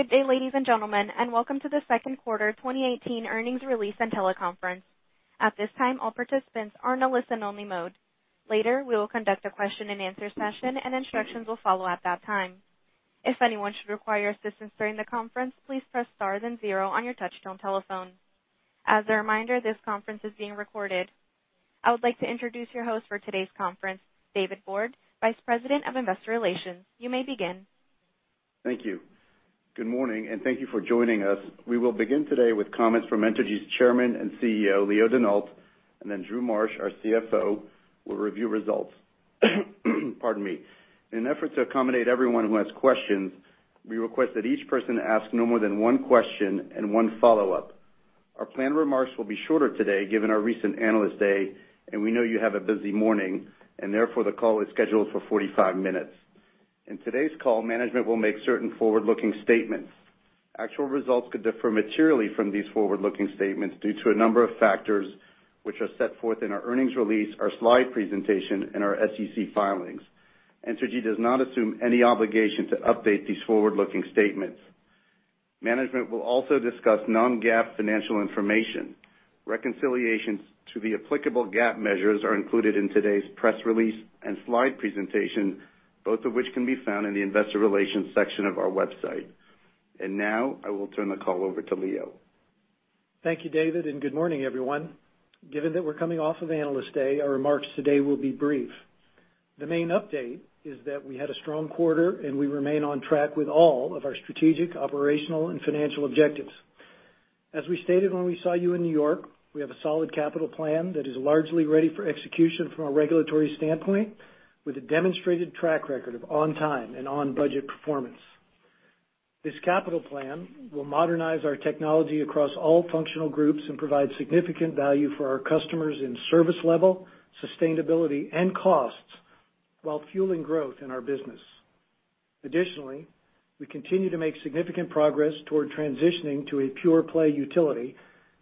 Good day, ladies and gentlemen, welcome to the second quarter 2018 earnings release and teleconference. At this time, all participants are in a listen-only mode. Later, we will conduct a question and answer session, instructions will follow at that time. If anyone should require assistance during the conference, please press star then zero on your touch-tone telephone. As a reminder, this conference is being recorded. I would like to introduce your host for today's conference, David Borde, Vice President of Investor Relations. You may begin. Thank you. Good morning, thank you for joining us. We will begin today with comments from Entergy's Chairman and CEO, Leo Denault. Drew Marsh, our CFO, will review results. Pardon me. In an effort to accommodate everyone who has questions, we request that each person ask no more than one question and one follow-up. Our planned remarks will be shorter today given our recent Analyst Day. We know you have a busy morning. Therefore, the call is scheduled for 45 minutes. In today's call, management will make certain forward-looking statements. Actual results could differ materially from these forward-looking statements due to a number of factors which are set forth in our earnings release, our slide presentation, and our SEC filings. Entergy does not assume any obligation to update these forward-looking statements. Management will also discuss non-GAAP financial information. Reconciliations to the applicable GAAP measures are included in today's press release and slide presentation, both of which can be found in the investor relations section of our website. Now I will turn the call over to Leo. Thank you, David. Good morning, everyone. Given that we're coming off of Analyst Day, our remarks today will be brief. The main update is that we had a strong quarter. We remain on track with all of our strategic, operational, and financial objectives. As we stated when we saw you in New York, we have a solid capital plan that is largely ready for execution from a regulatory standpoint with a demonstrated track record of on-time and on-budget performance. This capital plan will modernize our technology across all functional groups and provide significant value for our customers in service level, sustainability, and costs, while fueling growth in our business. Additionally, we continue to make significant progress toward transitioning to a pure-play utility,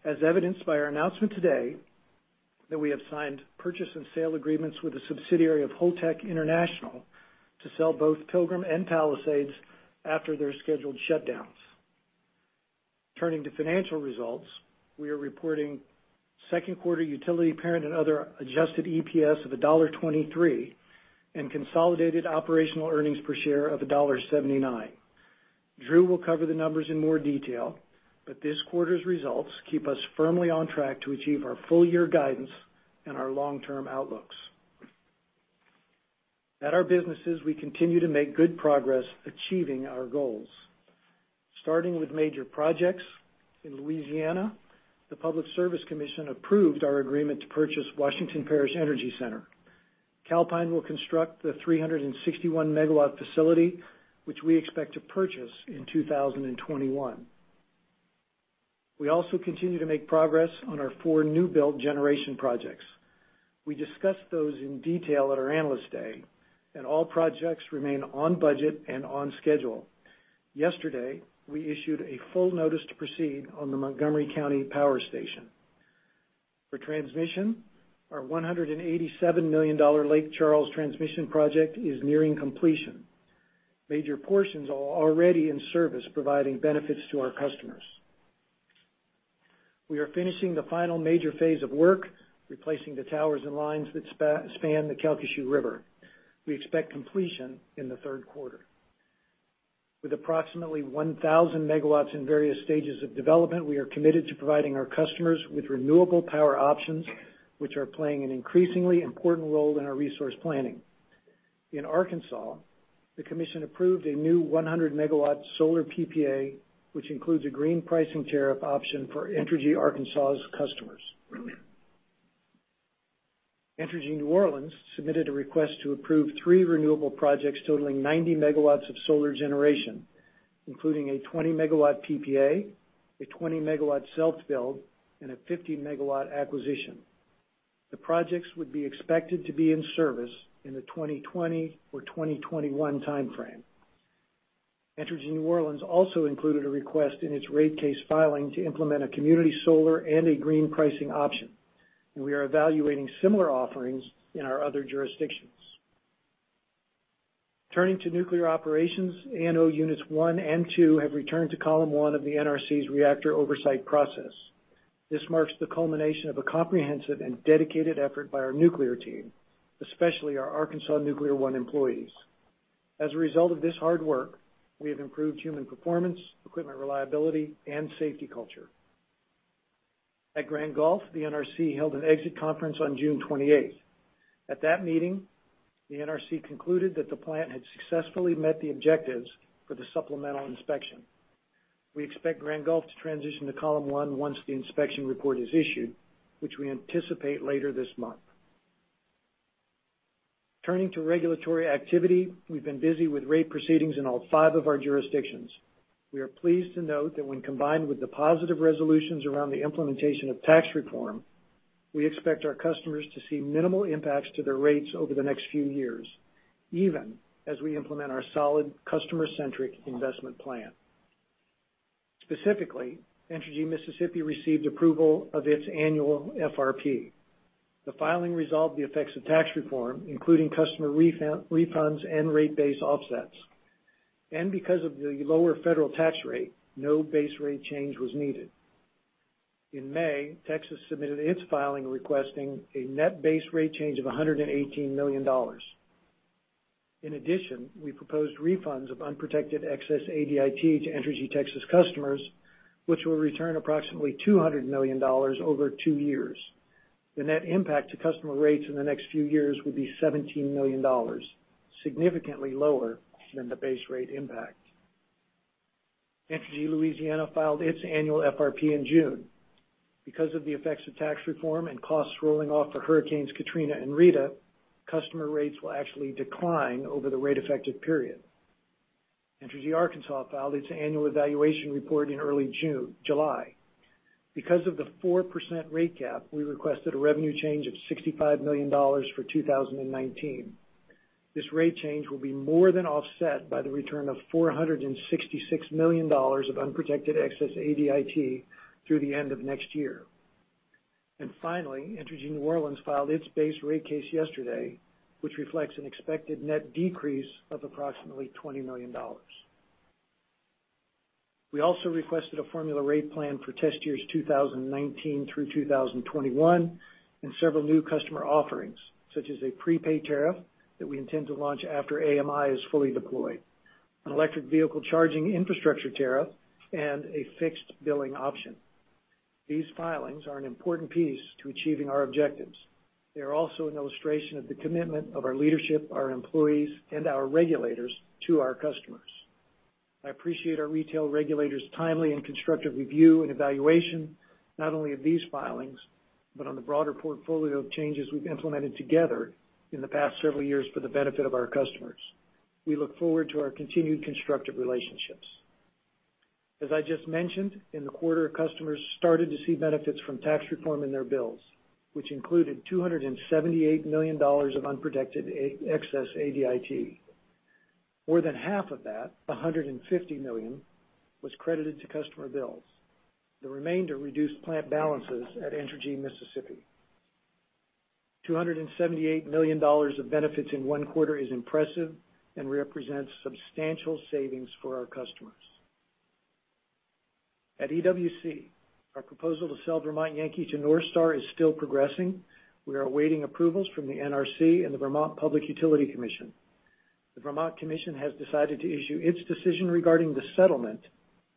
as evidenced by our announcement today that we have signed purchase and sale agreements with a subsidiary of Holtec International to sell both Pilgrim and Palisades after their scheduled shutdowns. Turning to financial results, we are reporting second quarter Utility Parent and Other adjusted EPS of $1.23 and consolidated operational earnings per share of $1.79. Drew will cover the numbers in more detail, but this quarter's results keep us firmly on track to achieve our full-year guidance and our long-term outlooks. At our businesses, we continue to make good progress achieving our goals. Starting with major projects, in Louisiana, the Public Service Commission approved our agreement to purchase Washington Parish Energy Center. Calpine will construct the 361-megawatt facility, which we expect to purchase in 2021. We also continue to make progress on our four new-build generation projects. We discussed those in detail at our Analyst Day, all projects remain on budget and on schedule. Yesterday, we issued a full notice to proceed on the Montgomery County Power Station. For transmission, our $187 million Lake Charles transmission project is nearing completion. Major portions are already in service, providing benefits to our customers. We are finishing the final major phase of work, replacing the towers and lines that span the Calcasieu River. We expect completion in the third quarter. With approximately 1,000 megawatts in various stages of development, we are committed to providing our customers with renewable power options, which are playing an increasingly important role in our resource planning. In Arkansas, the commission approved a new 100-megawatt solar PPA, which includes a green pricing tariff option for Entergy Arkansas' customers. Entergy New Orleans submitted a request to approve three renewable projects totaling 90 megawatts of solar generation, including a 20-megawatt PPA, a 20-megawatt self-build, and a 15-megawatt acquisition. The projects would be expected to be in service in the 2020 or 2021 timeframe. Entergy New Orleans also included a request in its rate case filing to implement a community solar and a green pricing option. We are evaluating similar offerings in our other jurisdictions. Turning to nuclear operations, ANO Units 1 and 2 have returned to Column 1 of the NRC's reactor oversight process. This marks the culmination of a comprehensive and dedicated effort by our nuclear team, especially our Arkansas Nuclear One employees. As a result of this hard work, we have improved human performance, equipment reliability, and safety culture. At Grand Gulf, the NRC held an exit conference on June 28th. At that meeting, the NRC concluded that the plant had successfully met the objectives for the supplemental inspection. We expect Grand Gulf to transition to Column 1 once the inspection report is issued, which we anticipate later this month. Turning to regulatory activity, we've been busy with rate proceedings in all five of our jurisdictions. We are pleased to note that when combined with the positive resolutions around the implementation of tax reform, we expect our customers to see minimal impacts to their rates over the next few years, even as we implement our solid customer-centric investment plan. Specifically, Entergy Mississippi received approval of its annual FRP. The filing resolved the effects of tax reform, including customer refunds and rate base offsets. Because of the lower federal tax rate, no base rate change was needed. In May, Texas submitted its filing, requesting a net base rate change of $118 million. In addition, we proposed refunds of unprotected excess ADIT to Entergy Texas customers, which will return approximately $200 million over two years. The net impact to customer rates in the next few years will be $17 million, significantly lower than the base rate impact. Entergy Louisiana filed its annual FRP in June. Because of the effects of tax reform and costs rolling off for hurricanes Katrina and Rita, customer rates will actually decline over the rate effective period. Entergy Arkansas filed its annual evaluation report in early July. Because of the 4% rate cap, we requested a revenue change of $65 million for 2019. This rate change will be more than offset by the return of $466 million of unprotected excess ADIT through the end of next year. Finally, Entergy New Orleans filed its base rate case yesterday, which reflects an expected net decrease of approximately $20 million. We also requested a formula rate plan for test years 2019 through 2021, and several new customer offerings, such as a prepaid tariff that we intend to launch after AMI is fully deployed, an electric vehicle charging infrastructure tariff, and a fixed billing option. These filings are an important piece to achieving our objectives. They are also an illustration of the commitment of our leadership, our employees, and our regulators to our customers. I appreciate our retail regulators' timely and constructive review and evaluation, not only of these filings, but on the broader portfolio of changes we've implemented together in the past several years for the benefit of our customers. We look forward to our continued constructive relationships. As I just mentioned, in the quarter, customers started to see benefits from tax reform in their bills, which included $278 million of unprotected excess ADIT. More than half of that, $150 million, was credited to customer bills. The remainder reduced plant balances at Entergy Mississippi. $278 million of benefits in one quarter is impressive and represents substantial savings for our customers. At EWC, our proposal to sell Vermont Yankee to NorthStar is still progressing. We are awaiting approvals from the NRC and the Vermont Public Utility Commission. The Vermont Commission has decided to issue its decision regarding the settlement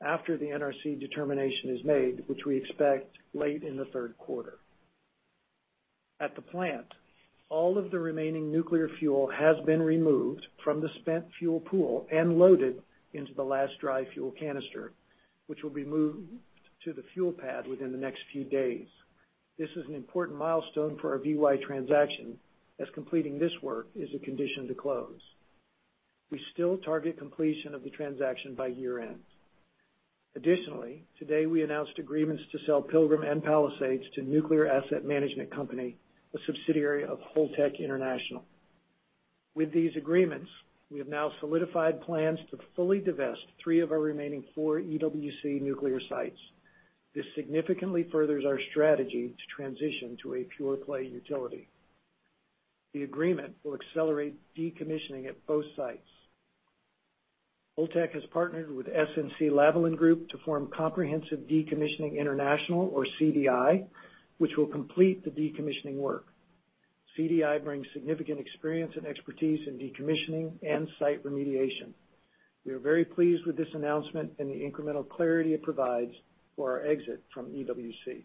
after the NRC determination is made, which we expect late in the third quarter. At the plant, all of the remaining nuclear fuel has been removed from the spent fuel pool and loaded into the last dry fuel canister, which will be moved to the fuel pad within the next few days. This is an important milestone for our VY transaction, as completing this work is a condition to close. We still target completion of the transaction by year-end. Additionally, today we announced agreements to sell Pilgrim and Palisades to Nuclear Asset Management Company, a subsidiary of Holtec International. With these agreements, we have now solidified plans to fully divest three of our remaining four EWC nuclear sites. This significantly furthers our strategy to transition to a pure-play utility. The agreement will accelerate decommissioning at both sites. Holtec has partnered with SNC-Lavalin Group to form Comprehensive Decommissioning International, or CDI, which will complete the decommissioning work. CDI brings significant experience and expertise in decommissioning and site remediation. We are very pleased with this announcement and the incremental clarity it provides for our exit from EWC.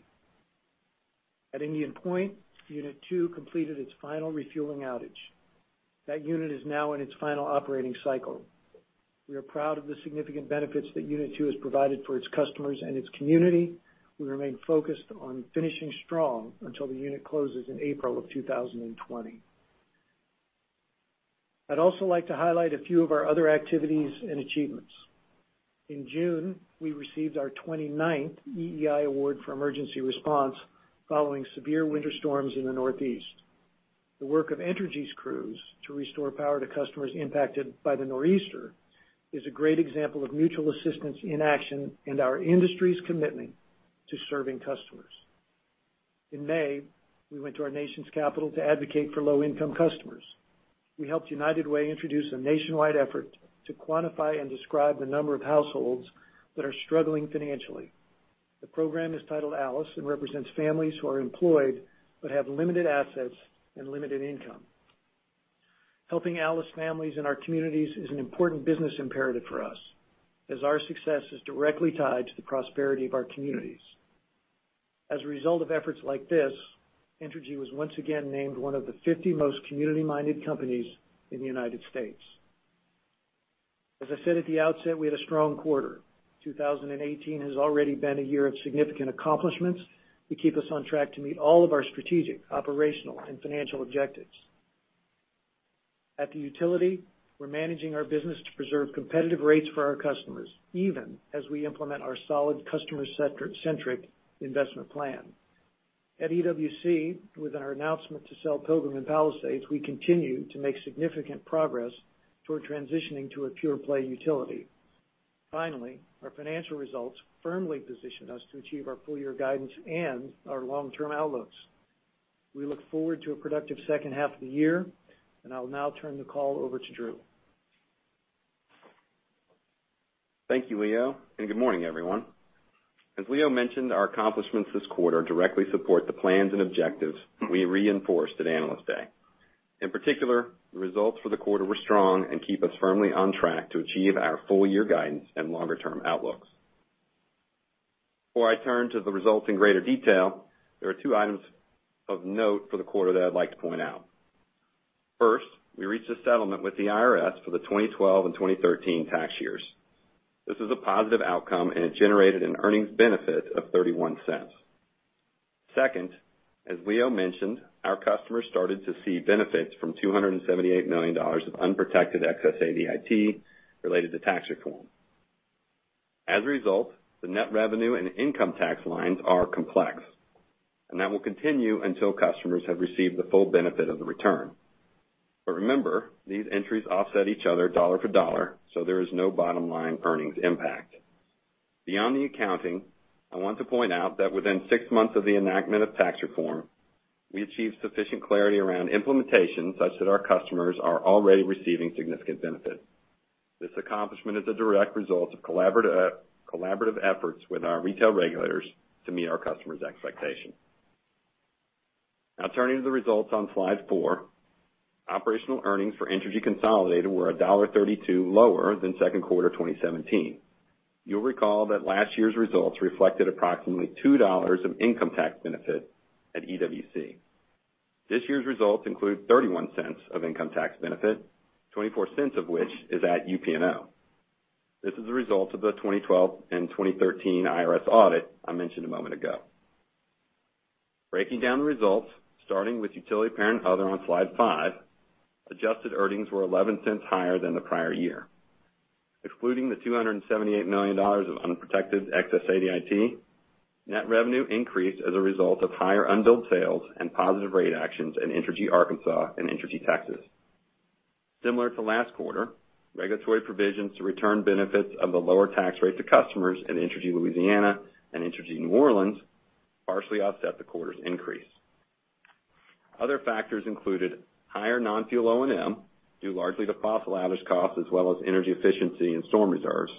At Indian Point, Unit 2 completed its final refueling outage. That unit is now in its final operating cycle. We are proud of the significant benefits that Unit 2 has provided for its customers and its community. We remain focused on finishing strong until the unit closes in April of 2020. I'd also like to highlight a few of our other activities and achievements. In June, we received our 29th EEI award for emergency response following severe winter storms in the Northeast. The work of Entergy's crews to restore power to customers impacted by the nor'easter is a great example of mutual assistance in action and our industry's commitment to serving customers. In May, we went to our nation's capital to advocate for low-income customers. We helped United Way introduce a nationwide effort to quantify and describe the number of households that are struggling financially. The program is titled ALICE and represents families who are employed but have limited assets and limited income. Helping ALICE families in our communities is an important business imperative for us, as our success is directly tied to the prosperity of our communities. As a result of efforts like this, Entergy was once again named one of the 50 most community-minded companies in the U.S. As I said at the outset, we had a strong quarter. 2018 has already been a year of significant accomplishments to keep us on track to meet all of our strategic, operational, and financial objectives. At the utility, we're managing our business to preserve competitive rates for our customers, even as we implement our solid customer-centric investment plan. At EWC, with our announcement to sell Pilgrim and Palisades, we continue to make significant progress toward transitioning to a pure-play utility. Finally, our financial results firmly position us to achieve our full-year guidance and our long-term outlooks. We look forward to a productive second half of the year. I'll now turn the call over to Drew. Thank you, Leo, and good morning, everyone. As Leo mentioned, our accomplishments this quarter directly support the plans and objectives we reinforced at Analyst Day. In particular, the results for the quarter were strong and keep us firmly on track to achieve our full-year guidance and longer-term outlooks. Before I turn to the results in greater detail, there are two items of note for the quarter that I'd like to point out. First, we reached a settlement with the IRS for the 2012 and 2013 tax years. This is a positive outcome, and it generated an earnings benefit of $0.31. Second, as Leo mentioned, our customers started to see benefits from $278 million of unprotected excess ADIT related to tax reform. As a result, the net revenue and income tax lines are complex, and that will continue until customers have received the full benefit of the return. Remember, these entries offset each other dollar for dollar, there is no bottom-line earnings impact. Beyond the accounting, I want to point out that within six months of the enactment of tax reform, we achieved sufficient clarity around implementation such that our customers are already receiving significant benefit. This accomplishment is a direct result of collaborative efforts with our retail regulators to meet our customers' expectations. Turning to the results on slide four. Operational earnings for Entergy consolidated were $1.32 lower than second quarter 2017. You'll recall that last year's results reflected approximately $2 of income tax benefit at EWC. This year's results include $0.31 of income tax benefit, $0.24 of which is at UPNO. This is a result of the 2012 and 2013 IRS audit I mentioned a moment ago. Breaking down the results, starting with Utility Parent Other on slide five, adjusted earnings were $0.11 higher than the prior year. Excluding the $278 million of unprotected excess ADIT, net revenue increased as a result of higher unbilled sales and positive rate actions in Entergy Arkansas and Entergy Texas. Similar to last quarter, regulatory provisions to return benefits of the lower tax rate to customers in Entergy Louisiana and Entergy New Orleans partially offset the quarter's increase. Other factors included higher non-fuel O&M, due largely to fossil outage costs as well as energy efficiency and storm reserves;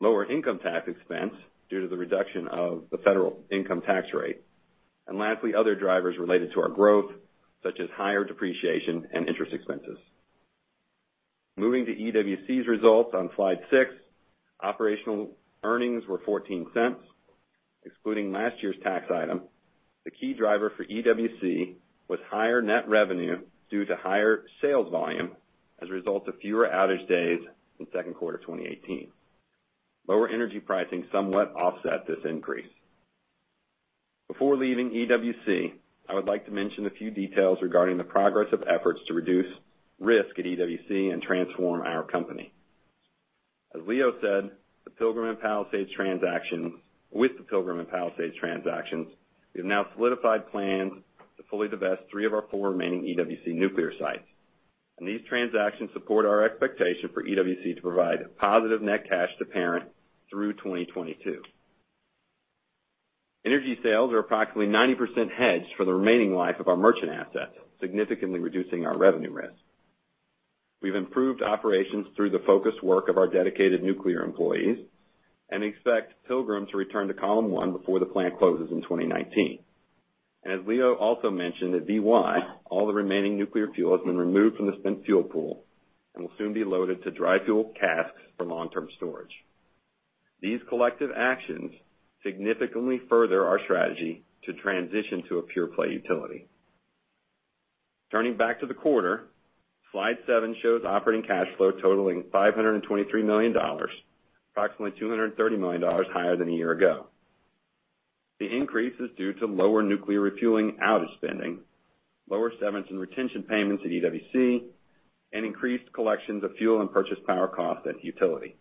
lower income tax expense due to the reduction of the federal income tax rate; lastly, other drivers related to our growth, such as higher depreciation and interest expenses. Moving to EWC's results on slide six, operational earnings were $0.14. Excluding last year's tax item, the key driver for EWC was higher net revenue due to higher sales volume as a result of fewer outage days in second quarter 2018. Lower energy pricing somewhat offset this increase. Before leaving EWC, I would like to mention a few details regarding the progress of efforts to reduce risk at EWC and transform our company. As Leo said, with the Pilgrim and Palisades transactions, we have now solidified plans to fully divest three of our four remaining EWC nuclear sites. These transactions support our expectation for EWC to provide positive net cash to parent through 2022. Energy sales are approximately 90% hedged for the remaining life of our merchant assets, significantly reducing our revenue risk. We've improved operations through the focused work of our dedicated nuclear employees and expect Pilgrim to return to Column 1 before the plant closes in 2019. As Leo also mentioned, at VY, all the remaining nuclear fuel has been removed from the spent fuel pool and will soon be loaded to dry fuel casks for long-term storage. These collective actions significantly further our strategy to transition to a pure-play utility. Turning back to the quarter, slide seven shows operating cash flow totaling $523 million, approximately $230 million higher than a year ago. The increase is due to lower nuclear refueling outage spending, lower severance and retention payments at EWC, and increased collections of fuel and purchase power costs at utility.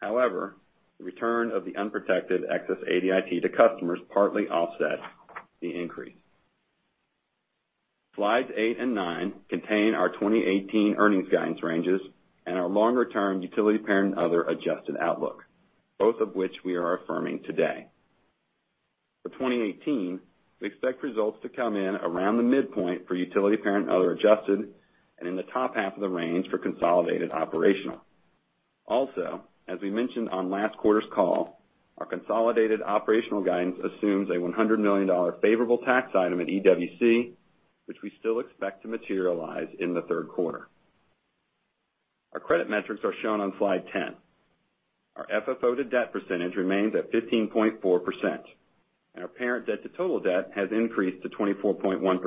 However, the return of the unprotected excess ADIT to customers partly offset the increase. Slides eight and nine contain our 2018 earnings guidance ranges and our longer-term Utility Parent Other adjusted outlook, both of which we are affirming today. For 2018, we expect results to come in around the midpoint for Utility Parent Other adjusted and in the top half of the range for consolidated operational. As we mentioned on last quarter's call, our consolidated operational guidance assumes a $100 million favorable tax item at EWC, which we still expect to materialize in the third quarter. Our credit metrics are shown on slide 10. Our FFO to debt percentage remains at 15.4%, and our parent debt to total debt has increased to 24.1%.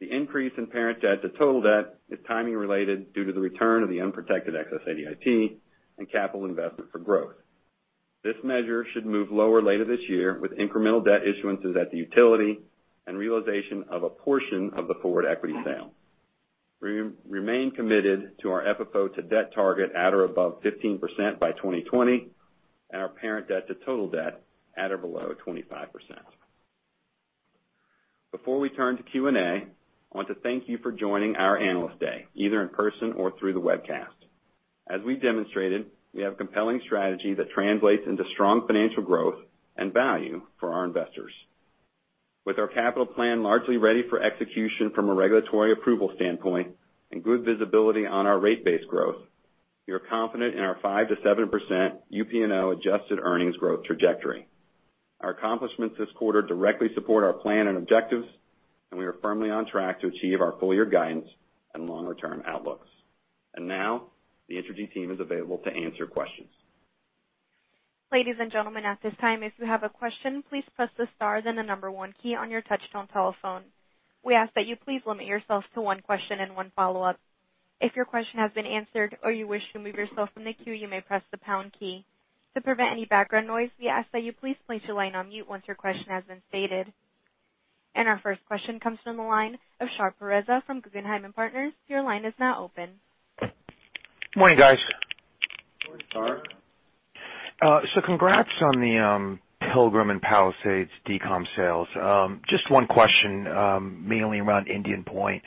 The increase in parent debt to total debt is timing related due to the return of the unprotected excess ADIT and capital investment for growth. This measure should move lower later this year with incremental debt issuances at the utility and realization of a portion of the forward equity sale. We remain committed to our FFO to debt target at or above 15% by 2020, and our parent debt to total debt at or below 25%. Before we turn to Q&A, I want to thank you for joining our Analyst Day, either in person or through the webcast. As we demonstrated, we have a compelling strategy that translates into strong financial growth and value for our investors. With our capital plan largely ready for execution from a regulatory approval standpoint and good visibility on our rate base growth, we are confident in our 5%-7% UPNO adjusted earnings growth trajectory. Our accomplishments this quarter directly support our plan and objectives, we are firmly on track to achieve our full-year guidance and longer-term outlooks. Now, the Entergy team is available to answer questions. Ladies and gentlemen, at this time, if you have a question, please press the star then the number 1 key on your touch-tone telephone. We ask that you please limit yourselves to one question and one follow-up. If your question has been answered or you wish to remove yourself from the queue, you may press the pound key. To prevent any background noise, we ask that you please place your line on mute once your question has been stated. Our first question comes from the line of Shahriar Pourreza from Guggenheim Partners. Your line is now open. Good morning, guys. Good morning, Shar. Congrats on the Pilgrim and Palisades decomm sales. Just one question, mainly around Indian Point.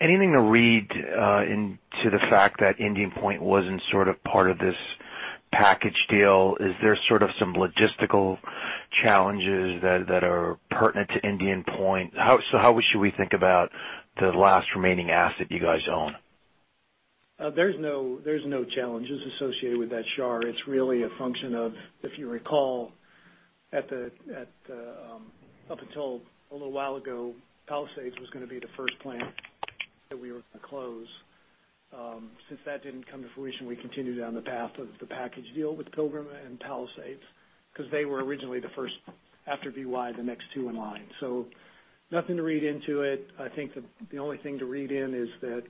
Anything to read into the fact that Indian Point wasn't sort of part of this package deal? Is there sort of some logistical challenges that are pertinent to Indian Point? How should we think about the last remaining asset you guys own? There's no challenges associated with that, Shar. It's really a function of, if you recall, up until a little while ago, Palisades was going to be the first plant that we were going to close. Since that didn't come to fruition, we continued down the path of the package deal with Pilgrim and Palisades because they were originally, after VY, the next two in line. Nothing to read into it. I think the only thing to read in is that,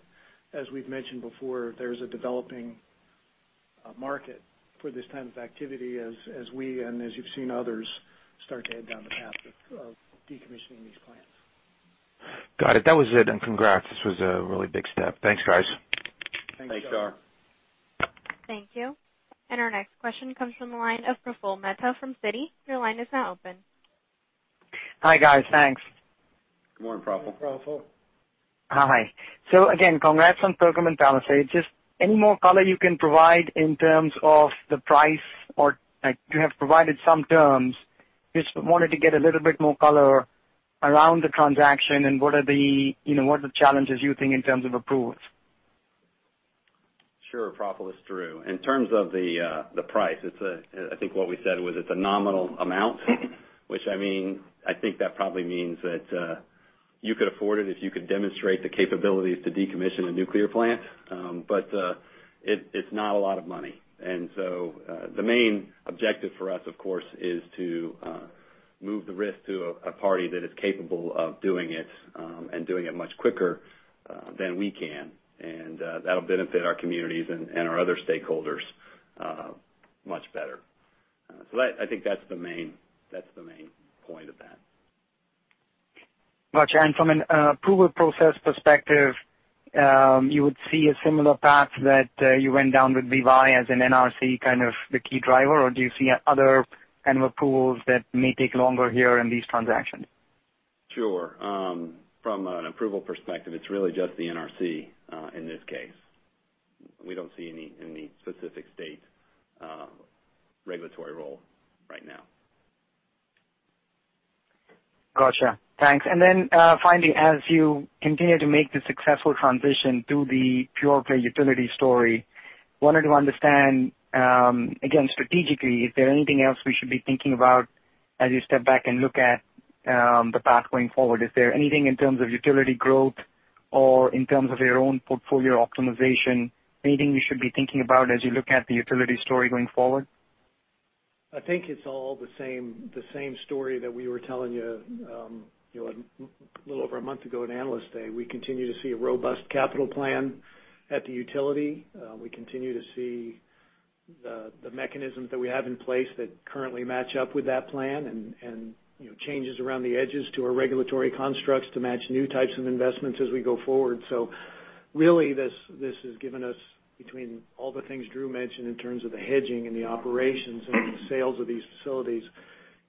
as we've mentioned before, there's a developing market for this kind of activity as we and as you've seen others start to head down the path of decommissioning these plants. Got it. That was it. Congrats. This was a really big step. Thanks, guys. Thanks, Shar. Thank you. Our next question comes from the line of Praful Mehta from Citi. Your line is now open. Hi, guys. Thanks. Good morning, Praful. Good morning, Praful. Hi. Again, congrats on Pilgrim and Palisades. Just any more color you can provide in terms of the price? You have provided some terms. Just wanted to get a little bit more color around the transaction and what are the challenges you think in terms of approvals? Sure, Praful. It's Drew. In terms of the price, I think what we said was it's a nominal amount, which I think that probably means that you could afford it if you could demonstrate the capabilities to decommission a nuclear plant. It's not a lot of money. The main objective for us, of course, is to move the risk to a party that is capable of doing it and doing it much quicker than we can. That'll benefit our communities and our other stakeholders much better. I think that's the main point of that. Got you. From an approval process perspective, you would see a similar path that you went down with VY as an NRC kind of the key driver, or do you see other kind of approvals that may take longer here in these transactions? Sure. From an approval perspective, it's really just the NRC in this case. We don't see any specific state regulatory role right now. Got you. Thanks. Finally, as you continue to make the successful transition to the pure-play utility story, wanted to understand, again, strategically, is there anything else we should be thinking about as you step back and look at the path going forward? Is there anything in terms of utility growth or in terms of your own portfolio optimization, anything we should be thinking about as you look at the utility story going forward? I think it's all the same story that we were telling you a little over a month ago at Analyst Day. We continue to see a robust capital plan at the utility. We continue to see the mechanisms that we have in place that currently match up with that plan and changes around the edges to our regulatory constructs to match new types of investments as we go forward. This has given us, between all the things Drew mentioned in terms of the hedging and the operations and the sales of these facilities,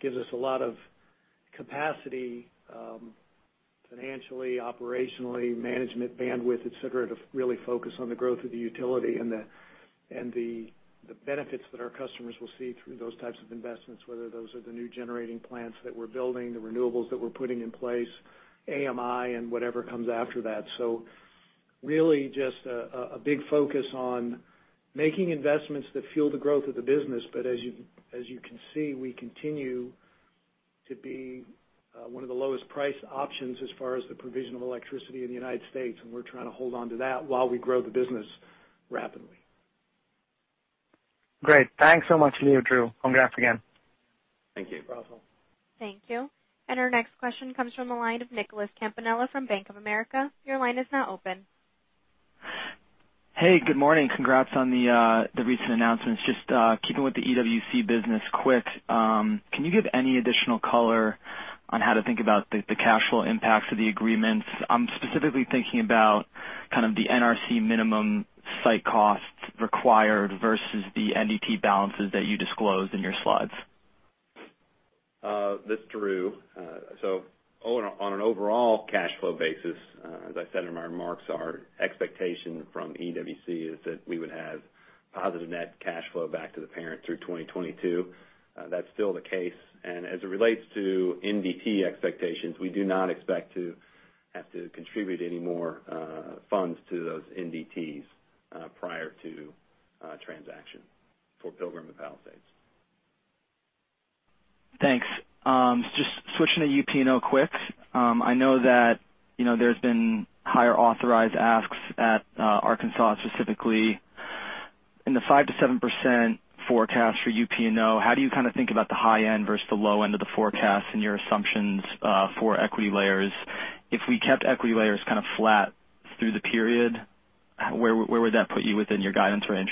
gives us a lot of capacity financially, operationally, management bandwidth, et cetera, to really focus on the growth of the utility and the benefits that our customers will see through those types of investments, whether those are the new generating plants that we're building, the renewables that we're putting in place, AMI, and whatever comes after that. Just a big focus on making investments that fuel the growth of the business. As you can see, we continue to be one of the lowest-priced options as far as the provision of electricity in the United States, and we're trying to hold onto that while we grow the business rapidly. Great. Thanks so much, Leo, Drew. Congrats again. Thank you, Praful. Thank you. Our next question comes from the line of Nicholas Campanella from Bank of America. Your line is now open. Hey, good morning. Congrats on the recent announcements. Just keeping with the EWC business quick, can you give any additional color on how to think about the cash flow impacts of the agreements? I'm specifically thinking about kind of the NRC minimum site costs required versus the NDT balances that you disclosed in your slides. This is Drew. On an overall cash flow basis, as I said in my remarks, our expectation from EWC is that we would have positive net cash flow back to the parent through 2022. That is still the case. As it relates to NDT expectations, we do not expect to have to contribute any more funds to those NDTs prior to transaction for Pilgrim and Palisades. Thanks. Just switching to UPO quick. I know that there has been higher authorized asks at Arkansas, specifically. In the 5%-7% forecast for UPO, how do you kind of think about the high end versus the low end of the forecast and your assumptions for equity layers? If we kept equity layers kind of flat through the period, where would that put you within your guidance range?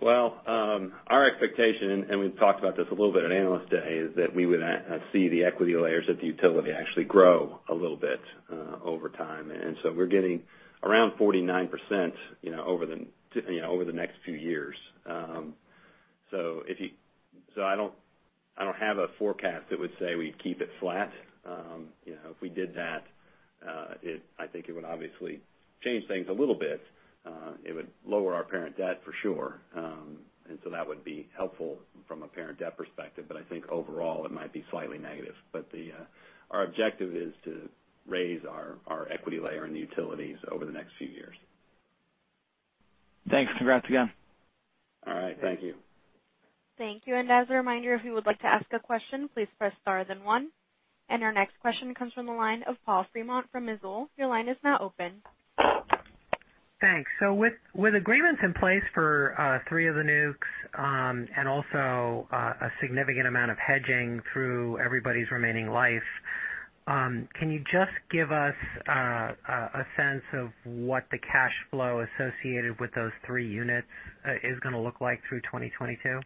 Well, our expectation, and we have talked about this a little bit at Analyst Day, is that we would see the equity layers at the utility actually grow a little bit over time. We are getting around 49% over the next few years. I do not have a forecast that would say we would keep it flat. If we did that, I think it would obviously change things a little bit. It would lower our parent debt for sure. That would be helpful from a parent debt perspective. But I think overall, it might be slightly negative. But our objective is to raise our equity layer in the utilities over the next few years. Thanks. Congrats again. All right. Thank you. Thank you. As a reminder, if you would like to ask a question, please press star then one. Our next question comes from the line of Paul Fremont from Mizuho. Your line is now open. Thanks. With agreements in place for three of the nucs, and also a significant amount of hedging through everybody's remaining life, can you just give us a sense of what the cash flow associated with those three units is going to look like through 2022?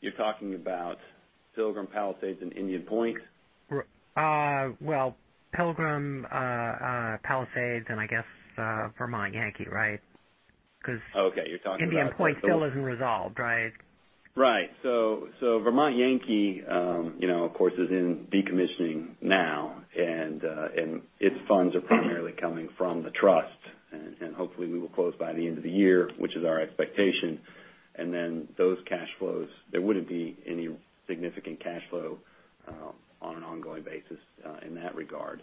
You're talking about Pilgrim, Palisades, and Indian Point? Well, Pilgrim, Palisades, and I guess Vermont Yankee, right? Okay. You're talking about- Indian Point still isn't resolved, right? Right. Vermont Yankee, of course, is in decommissioning now. Its funds are primarily coming from the trust. Hopefully we will close by the end of the year, which is our expectation. Those cash flows, there wouldn't be any significant cash flow on an ongoing basis in that regard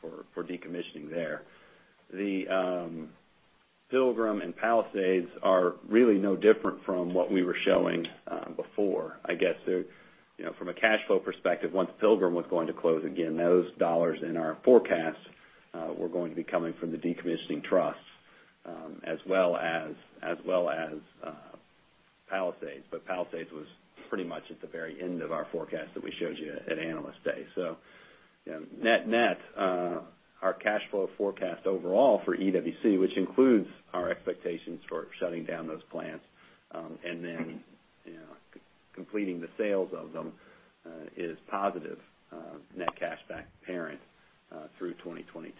for decommissioning there. The Pilgrim and Palisades are really no different from what we were showing before. I guess from a cash flow perspective, once Pilgrim was going to close again, those dollars in our forecast were going to be coming from the decommissioning trust as well as Palisades. Palisades was pretty much at the very end of our forecast that we showed you at Analyst Day. Net, our cash flow forecast overall for EWC, which includes our expectations for shutting down those plants and then completing the sales of them is positive net cash back parent through 2022.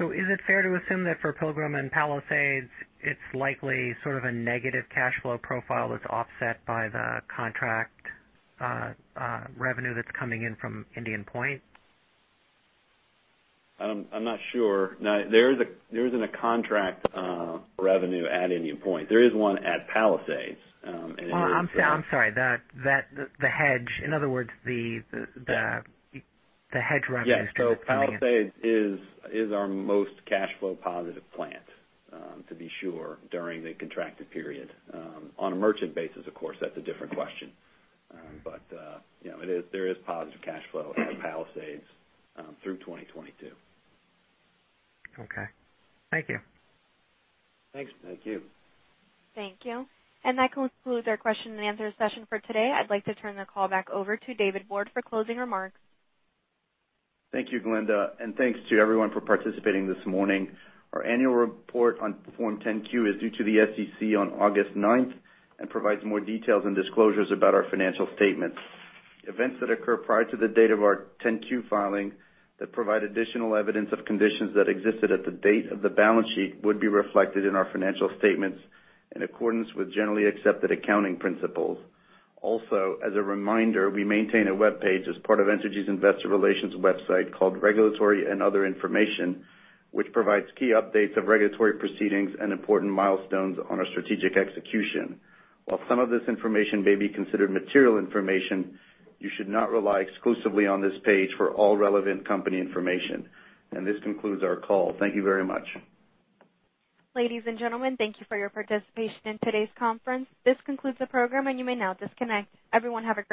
Is it fair to assume that for Pilgrim and Palisades, it's likely sort of a negative cash flow profile that's offset by the contract revenue that's coming in from Indian Point? I'm not sure. There isn't a contract revenue at Indian Point. There is one at Palisades. I'm sorry. The hedge. In other words, the hedge revenue that's coming in. Yeah. Palisades is our most cash flow positive plant to be sure during the contracted period. On a merchant basis, of course, that's a different question. There is positive cash flow at Palisades through 2022. Okay. Thank you. Thanks. Thank you. Thank you. That concludes our question and answer session for today. I'd like to turn the call back over to David Borde for closing remarks. Thank you, Glenda, and thanks to everyone for participating this morning. Our annual report on Form 10-Q is due to the SEC on August ninth and provides more details and disclosures about our financial statements. Events that occur prior to the date of our 10-Q filing that provide additional evidence of conditions that existed at the date of the balance sheet would be reflected in our financial statements in accordance with generally accepted accounting principles. Also, as a reminder, we maintain a webpage as part of Entergy's investor relations website called Regulatory and Other Information, which provides key updates of regulatory proceedings and important milestones on our strategic execution. While some of this information may be considered material information, you should not rely exclusively on this page for all relevant company information. This concludes our call. Thank you very much. Ladies and gentlemen, thank you for your participation in today's conference. This concludes the program, and you may now disconnect. Everyone have a great day.